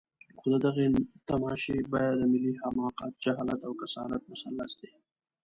خو د دغې تماشې بیه د ملي حماقت، جهالت او کسالت مثلث دی.